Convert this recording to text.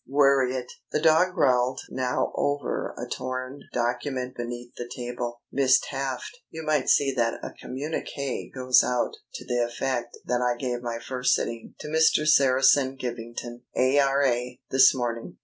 Worry it!" (The dog growled now over a torn document beneath the table.) "Miss Taft, you might see that a communiqué goes out to the effect that I gave my first sitting to Mr. Saracen Givington, A.R.A., this morning.